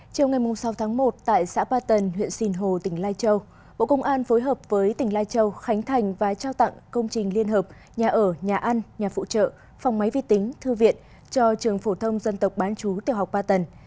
chiều ngày sáu tháng một tại xã ba tần huyện sìn hồ tỉnh lai châu bộ công an phối hợp với tỉnh lai châu khánh thành và trao tặng công trình liên hợp nhà ở nhà ăn nhà phụ trợ phòng máy vi tính thư viện cho trường phổ thông dân tộc bán chú tiểu học ba tầng